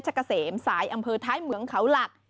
กะเสมสายอำเภอท้ายเหมืองเขาหลัก